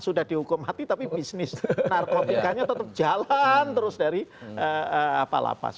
sudah dihukum mati tapi bisnis narkotikanya tetap jalan terus dari lapas